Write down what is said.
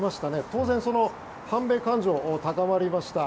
当然、反米感情が高まりました。